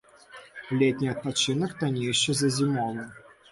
Летні адпачынак таннейшы за зімовы.